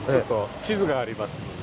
地図がありますので。